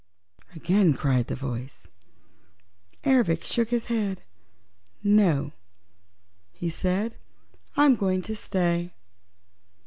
again cried the voice. Ervic shook his head. "No," said he, "I'm going to stay."